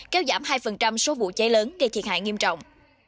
kéo giảm hai số vụ cháy lớn gây thiệt hại nghiêm trọng